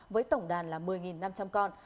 với tổng đàn là một mươi năm trăm linh con